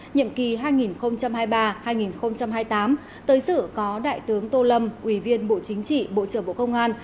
nhiệm kỳ hai nghìn hai mươi ba hai nghìn hai mươi tám tới sự có đại tướng tô lâm ủy viên bộ chính trị bộ trưởng bộ công an